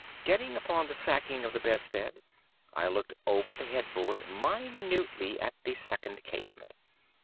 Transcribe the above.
Getting upon the sacking of the bedstead, I looked over the head board minutely at the second casement.